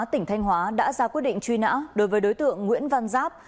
tỉnh thanh hóa đã ra quyết định truy nã đối với đối tượng nguyễn văn giáp